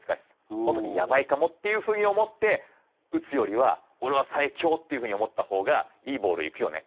その時「やばいかも」っていうふうに思って打つよりは「オレは最強！」っていうふうに思った方がいいボール行くよね。